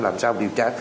làm sao điều tra